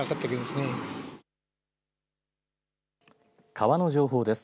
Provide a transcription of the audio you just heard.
川の情報です。